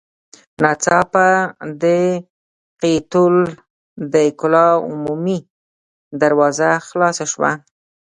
ناڅاپه د قيتول د کلا عمومي دروازه خلاصه شوه.